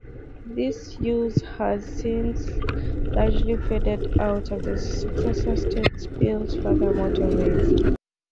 This use has since largely faded out, after the successor states built further motorways.